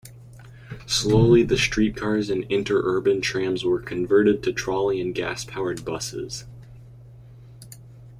Slowly the streetcars and interurban trams were converted to trolley and gas-powered buses.